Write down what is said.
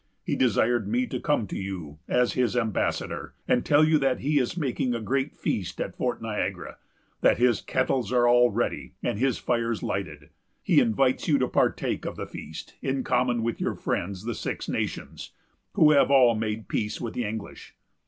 He desired me to come to you, as his ambassador, and tell you that he is making a great feast at Fort Niagara; that his kettles are all ready, and his fires lighted. He invites you to partake of the feast, in common with your friends, the Six Nations, who have all made peace with the English.